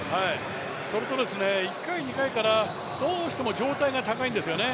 １回、２回からどうしても上体が高いんですよね。